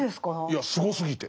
いやすごすぎて。